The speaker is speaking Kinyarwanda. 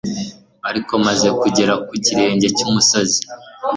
Ariko maze kugera ku kirenge cy'umusozi